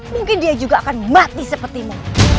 mungkin dia juga akan mati sepertimu